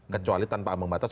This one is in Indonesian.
kecuali tanpa ambang batas